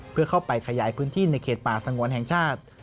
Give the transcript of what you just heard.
เพื่อเข้าไปขยายพื้นที่ในเขตป่าสงวนแห่งชาติ